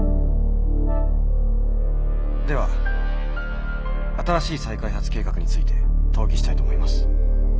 「では新しい再開発計画について討議したいと思います。